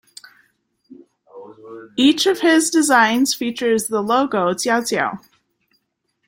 Each of his designs features the "logo" "Xiao Xiao".